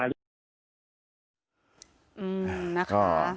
นะคะ